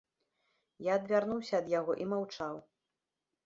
Я адвярнуўся ад яго і маўчаў.